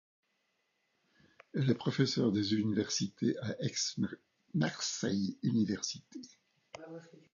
Elle est Professeur des Universités à Aix-Marseille Université.